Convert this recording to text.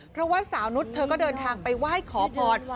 เพราะว่าสาวนุษย์เธอก็เดินทางไปไหว้ขอพร